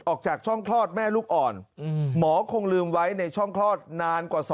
ออกจากช่องคลอดแม่ลูกอ่อนหมอคงลืมไว้ในช่องคลอดนานกว่า